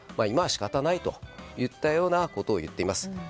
今は仕方ないといったようなことを言っています。